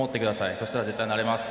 そしたら、絶対なれます。